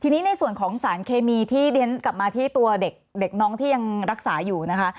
ทีนี้ในส่วนของสารเคมีที่เรียนกลับมาที่ตัวเด็กน้องที่ยังรักษาอยู่นะคะ